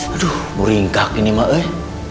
aduh beringkak ini mah